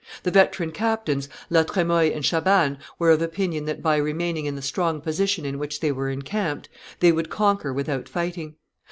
The veteran captains, La Tremoille and Chabannes, were of opinion that by remaining in the strong position in which they were encamped they would conquer without fighting.